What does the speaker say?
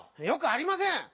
よくありません！